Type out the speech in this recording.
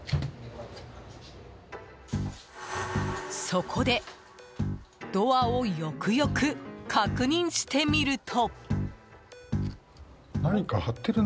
そこで、ドアをよくよく確認してみると。